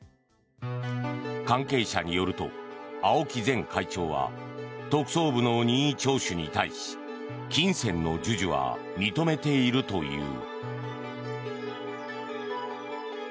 関係者によると青木前会長は特捜部の任意聴取に対し金銭の授受は認めているという。